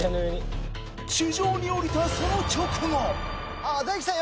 地上に降りたその直後！